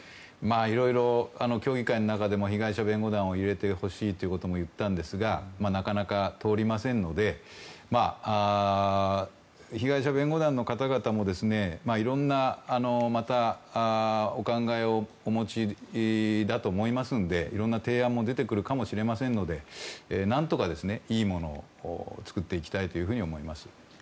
いろいろ協議会の中でも被害者弁護団を入れてほしいということも言ったんですがなかなか通りませんので被害者弁護団の方々もいろんなお考えをお持ちだと思いますのでいろんな提案も出てくるかもしれませんので何とか、いいものを作っていきたいと思います。